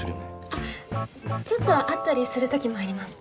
あっちょっと会ったりするときもあります。